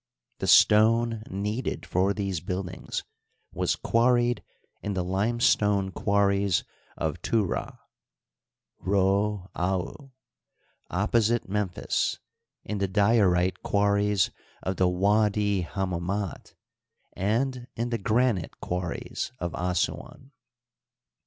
The stone needed for these buildings was quarried m the limestone quarries of Turah {Rd du), opposite Mem phis, in the diorite quarries of the Widi Hammamit, and in the granite quarries of Assuan.